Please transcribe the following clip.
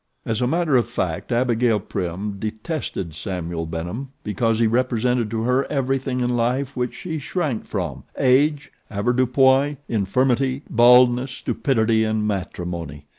As a matter of fact Abigail Prim detested Samuel Benham because he represented to her everything in life which she shrank from age, avoirdupois, infirmity, baldness, stupidity, and matrimony.